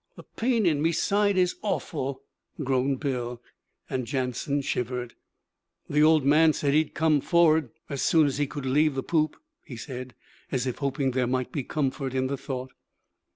'The pain in me side is awful!' groaned Bill; and Jansen shivered. 'The Old Man said he'd come for'ard as soon as he could leave the poop,' he said, as if hoping there might be comfort in the thought.